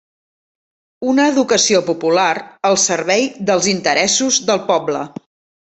Una educació popular al servei dels interessos del poble.